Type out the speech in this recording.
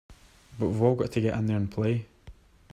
But we've all got to get in there and play!